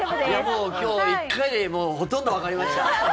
もう今日１回でほとんどわかりました。